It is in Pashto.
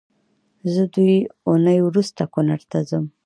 زه دوې اونۍ روسته کونړ ته ځم